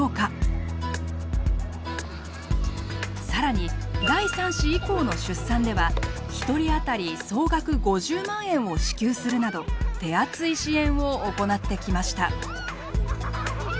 更に第３子以降の出産では１人あたり総額５０万円を支給するなど手厚い支援を行ってきました。